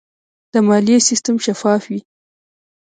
د مالیې سیستم شفاف وي.